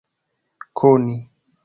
koni